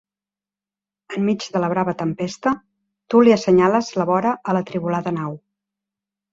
Enmig de la brava tempesta tu li assenyales la vora a l'atribolada nau.